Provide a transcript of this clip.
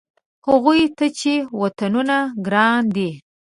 هغوی ته چې وطنونه ګران دي.